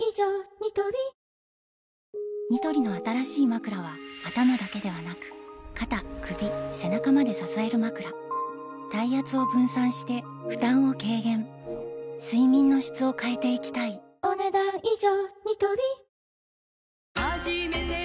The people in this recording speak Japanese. ニトリニトリの新しいまくらは頭だけではなく肩・首・背中まで支えるまくら体圧を分散して負担を軽減睡眠の質を変えていきたいお、ねだん以上。